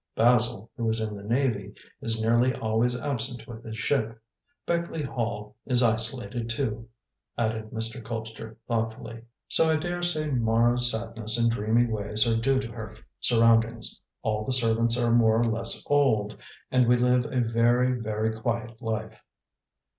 Basil, who is in the Navy, is nearly always absent with his ship. Beckleigh Hall is isolated too," added Mr. Colpster thoughtfully; "so I daresay Mara's sadness and dreamy ways are due to her surroundings. All the servants are more or less old, and we live a very, very quiet life."